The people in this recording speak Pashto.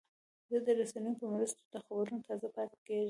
زه د رسنیو په مرسته د خبرونو تازه پاتې کېږم.